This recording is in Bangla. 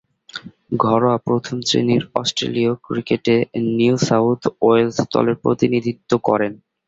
ঘরোয়া প্রথম-শ্রেণীর অস্ট্রেলীয় ক্রিকেটে নিউ সাউথ ওয়েলস দলের প্রতিনিধিত্ব করেন।